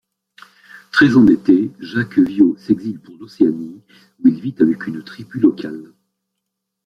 Très endetté, Jacques Viot s'exile pour l'Océanie, où il vit avec une tribu locale.